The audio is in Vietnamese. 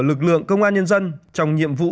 lực lượng công an nhân dân trong nhiệm vụ